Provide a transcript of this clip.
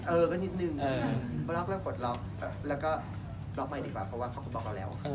เออก็นิดนึงมาล็อกเรื่องปลดล็อกแล้วก็ล็อกใหม่ดีกว่าเพราะว่าเขาก็บล็อกเราแล้ว